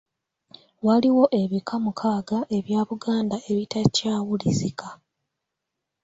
Waliwo ebika mukaaga ebya Buganda ebitakyawulizika.